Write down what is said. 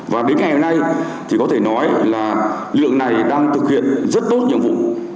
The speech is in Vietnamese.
và đến ngày hôm nay thì có thể nói là lượng này đang thực hiện rất tốt nhiệm vụ